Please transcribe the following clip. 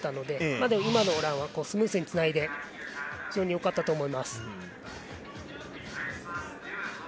でも、今のランはスムーズにつないでよかったと思います。